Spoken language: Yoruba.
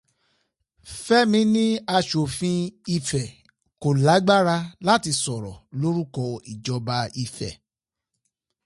Fémi ni aṣòfin Ifẹ̀ kò lágbára láti sọ̀rọ̀ lórúkọ ìjọba Ifẹ̀.